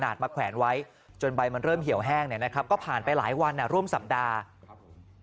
มาแขวนไว้จนใบมันเริ่มเหี่ยวแห้งเนี่ยนะครับก็ผ่านไปหลายวันร่วมสัปดาห์